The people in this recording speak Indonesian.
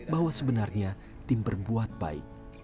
bahwa sebenarnya tim berbuatnya itu gila